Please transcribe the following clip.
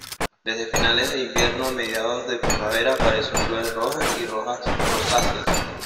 Desde finales de invierno a mediados de primavera aparecen flores rojas y rojas-rosáceas.